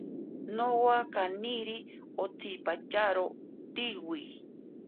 Nowa kaniri otsipatyaro tsiwi.